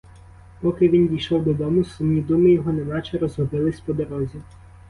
Поки він дійшов додому, сумні думи його неначе розгубились по дорозі.